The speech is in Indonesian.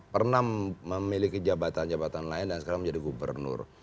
pernah memiliki jabatan jabatan lain dan sekarang menjadi gubernur